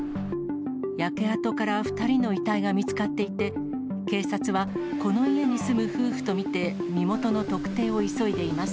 焼け跡から２人の遺体が見つかっていて、警察は、この家に住む夫婦と見て、身元の特定を急いでいます。